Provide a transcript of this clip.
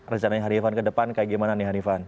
rencananya hanifan ke depan kayak gimana nih hanifan